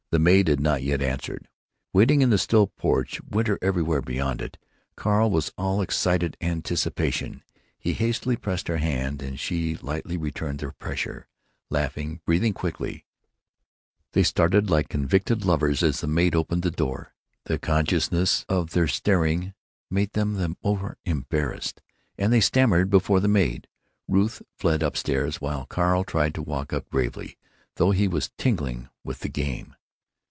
The maid had not yet answered. Waiting in the still porch, winter everywhere beyond it, Carl was all excited anticipation. He hastily pressed her hand, and she lightly returned the pressure, laughing, breathing quickly. They started like convicted lovers as the maid opened the door. The consciousness of their starting made them the more embarrassed, and they stammered before the maid. Ruth fled up stairs, while Carl tried to walk up gravely, though he was tingling with the game.